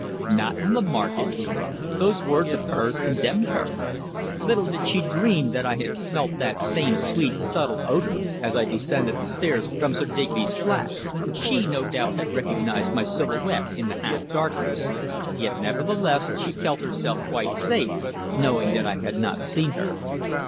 Not on the market! Those words of hers condemned her. Little did she dream that I had smelt that same sweet, subtle odour as I descended the stairs from Sir Digby's flat. She, no doubt, had recognised my silhouette in the half darkness, yet nevertheless she felt herself quite safe, knowing that I had not seen her.